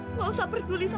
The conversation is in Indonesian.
mika opo pas ntar selesai